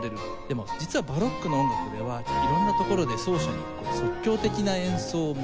でも実はバロックの音楽では色んなところで奏者に即興的な演奏を求めてくるんですよね。